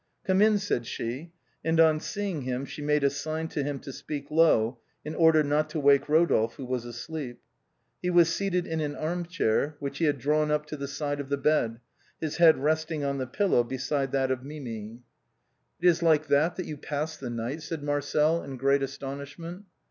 " Come in," said she, and on seeing him, she made a sign to him to speak low in order not to wake Rodolphe who was asleep. He was seated in an arm chair, which he had drawn up to the side of the bed, his head resting on the pillow beside that of Mimi. 338 THE BOHEMIANS OF THE LATIN QUAPiTER. It is like that that you passed the night ?" said Marcel in great astonishment.